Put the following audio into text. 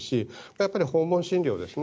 やっぱり訪問診療ですね。